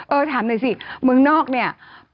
ถามหน่อยสิเมืองนอกเนี่ย